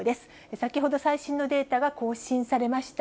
先ほど最新のデータが更新されました。